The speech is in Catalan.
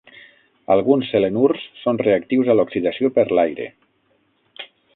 Alguns selenurs són reactius a l"oxidació per l"aire.